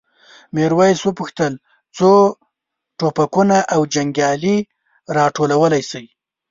میرويس وپوښتل څو ټوپکونه او جنګیالي راټولولی شئ؟